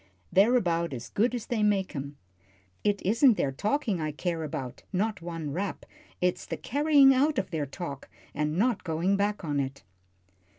They're about as good as they make 'em. It isn't their talking I care about not one rap. It's the carrying out of their talk, and not going back on it."